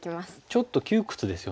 ちょっと窮屈ですよね。